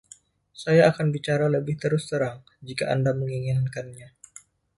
Saya akan bicara lebih terus terang, jika Anda menginginkannya.